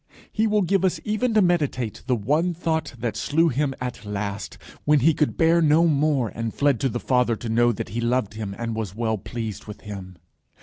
He will give us even to meditate the one thought that slew him at last, when he could bear no more, and fled to the Father to know that he loved him, and was well pleased with him.